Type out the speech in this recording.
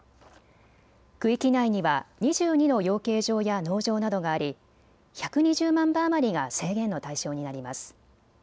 区域内には２２の養鶏場や農場などがあり１２０万羽余りが制限の対象になります。